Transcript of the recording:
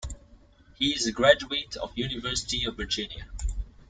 He is a graduate of the University of Virginia.